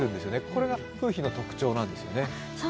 これが楓浜の特徴なんですよね。